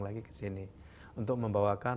lagi ke sini untuk membawakan